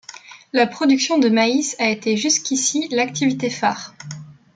La production de maïs a été jusqu’ici l’activité phare.